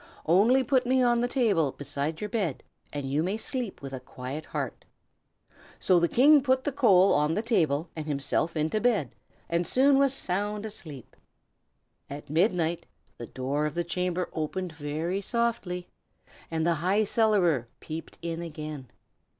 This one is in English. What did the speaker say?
Only put me on the table beside your bed, and you may sleep with a quiet heart." So the King put the coal on the table, and himself into the bed, and was soon sound asleep. At midnight the door of the chamber opened very softly, and the High Cellarer peeped in again.